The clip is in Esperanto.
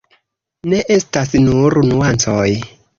Ne estas nur nuancoj.